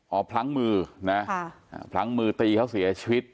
เอาพลั้งมือนะพลั้งมือตีเขาเสียชีวิต